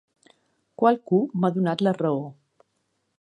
Qualcú m'ha donat la raó.